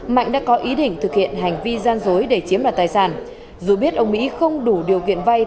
mạnh đã có ý định thực hiện hành vi gian dụng